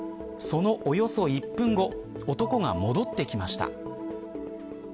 そのおよそ１分後男が戻ってきました。